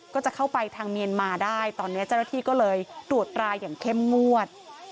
ก็จะเข้าไปทางเมียนมาได้ตอนนี้เจ้าหน้าที่ก็เลยตรวจตราอย่างเข้มงวด